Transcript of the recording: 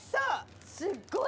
すっごい。